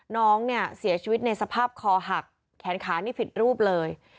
น้องเนี่ยเสียชีวิตในสภาพคอหักแขนขานี่ผิดรูปเลย